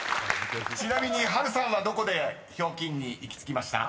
ちなみに波瑠さんはどこで「ひょうきん」に行き着きました？］